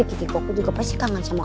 aku juga baik lega